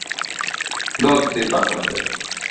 Dod deb baqiradi.